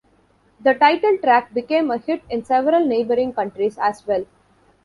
The title track became a hit in several neighboring countries as well.